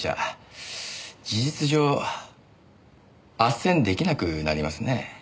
事実上斡旋出来なくなりますね。